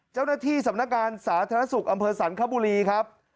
เจ้าหน้าที่สำนักงานสาธารณสุขอำเภอสรรคบุรีครับ